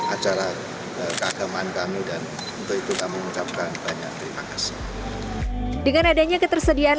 acara keagamaan kami dan untuk itu kami mengucapkan banyak terima kasih dengan adanya ketersediaan